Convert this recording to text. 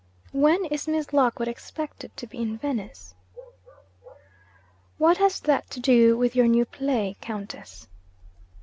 'When is Miss Lockwood expected to be in Venice?' 'What has that to do with your new play, Countess?'